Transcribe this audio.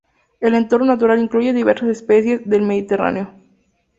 El entorno natural incluye diversas especies del Mediterráneo.